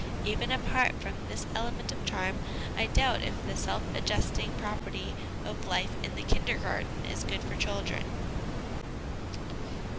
Even apart from this element of charm, I doubt if the self adjusting property of life in the Kindergarten is good for children.